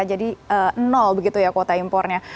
jadi nol begitu ya kuota impornya